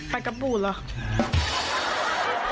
ไปกับบูดเหรอ